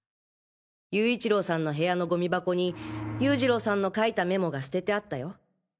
勇一郎さんの部屋のゴミ箱に優次郎さんの書いたメモが捨ててあったよ。